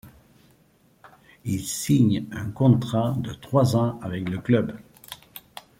Il signe un contrat de trois ans avec le club.